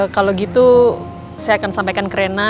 kalau gitu saya akan sampaikan ke rena